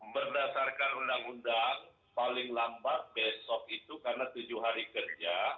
berdasarkan undang undang paling lambat besok itu karena tujuh hari kerja